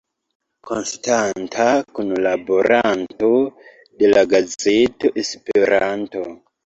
Konstanta kunlaboranto de la gazeto Esperanto.